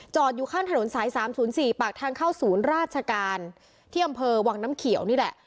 อยู่ข้างถนนสาย๓๐๔ปากทางเข้าศูนย์ราชการที่อำเภอวังน้ำเขียวนี่แหละ